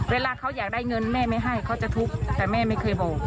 เวลาเขาอยากได้เงินแม่ไม่ให้เขาจะทุกข์แต่แม่ไม่เคยบอก